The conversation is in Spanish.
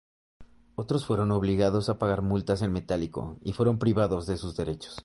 Otros fueron obligados a pagar multas en metálico y fueron privados de sus derechos.